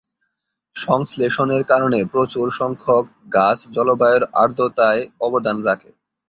সংশ্লেষের কারণে প্রচুর সংখ্যক গাছ জলবায়ুর আর্দ্রতায় অবদান রাখে।